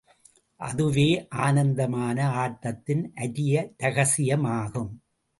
அதுவே, ஆனந்தமான ஆட்டத்தின் அரிய ரகசியமாகும்.